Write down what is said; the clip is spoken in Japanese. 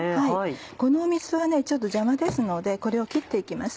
この水はちょっと邪魔ですのでこれをきっていきます。